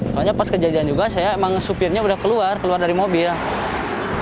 soalnya pas kejadian juga saya emang supirnya udah keluar keluar dari mobil